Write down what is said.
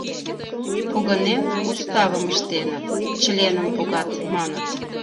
Погынен, уставым ыштеныт, членым погат, маныт.